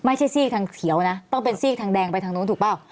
ซีกทางเขียวนะต้องเป็นซีกทางแดงไปทางนู้นถูกเปล่า